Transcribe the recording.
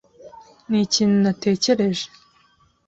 Ni ikintu natekereje.